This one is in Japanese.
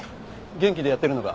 元気でやってるのか？